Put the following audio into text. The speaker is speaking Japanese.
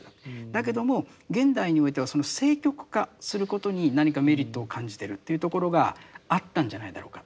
だけども現代においてはその政局化することに何かメリットを感じてるというところがあったんじゃないだろうか。